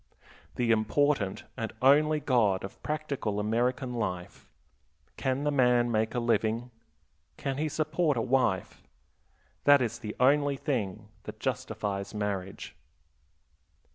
The important and only God of practical American life: Can the man make a living? can he support a wife? That is the only thing that justifies marriage.